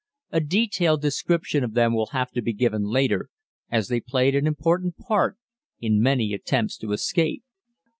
A detailed description of them will have to be given later, as they played an important part in many attempts to escape.